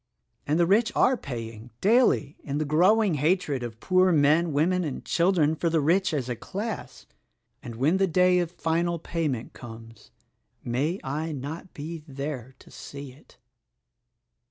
And the rich are paying, daily, in the growing hatred of poor men, women and children for the rich as a class; and when the day of final payment comes — may I not be there to see it!"